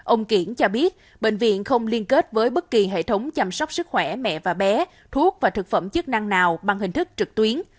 ông kiển cho biết bệnh viện không liên kết với bất kỳ hệ thống chăm sóc sức khỏe mẹ và bé thuốc và thực phẩm chức năng nào bằng hình thức trực tuyến